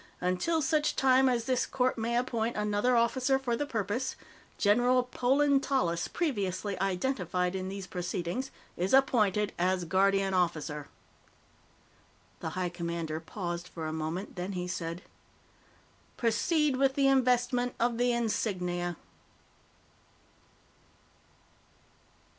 "Until such time as this Court may appoint another officer for the purpose, General Polan Tallis, previously identified in these proceedings, is appointed as Guardian Officer." The High Commander paused for a moment, then he said: "Proceed with the investment of the insignia."